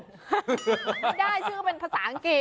ไม่ได้ชื่อก็เป็นภาษาอังกฤษ